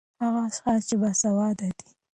ـ هغه اشخاص چې باسېواده دي